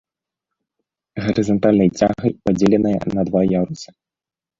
Гарызантальнай цягай падзеленая на два ярусы.